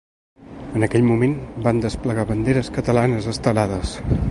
En aquell moment van desplegar banderes catalanes estelades.